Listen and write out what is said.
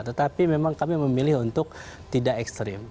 tetapi memang kami memilih untuk tidak ekstrim